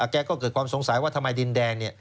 แกก็เกิดความสงสัยว่าทำไมดินแดนเนี่ย